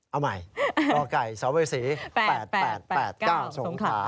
เอาใหม่กกส๔๘๘๘๙ทรงศักรรมค่า